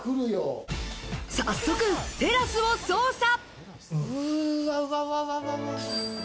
早速、テラスを捜査。